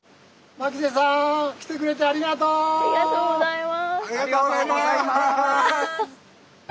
ありがとうございます。